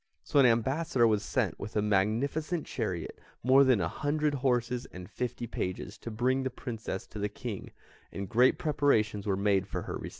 So an ambassador was sent with a magnificent chariot, more than a hundred horses, and fifty pages, to bring the Princess to the King, and great preparations were made for her reception.